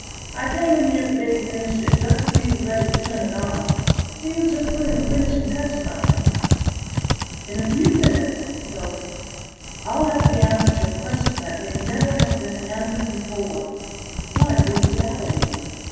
I came in here the day he finished it, just as he was ready to turn it on. He was just putting the finishing touches on it. "In a few minutes," he told me, "I'll have the answer to a question that may never have been answered before: what is reality?